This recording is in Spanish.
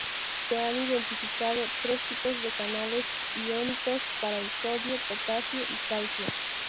Se han identificado tres tipos de canales iónicos para el sodio, potasio y calcio.